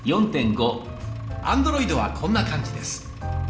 アンドロイドはこんな感じです。